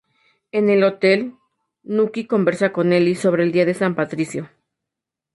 En el hotel, Nucky conversa con Eli sobre el Día de San Patricio.